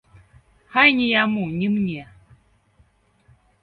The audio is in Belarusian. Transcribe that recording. Хай ні яму, ні мне!